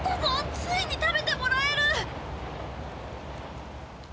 ついに食べてもらえる！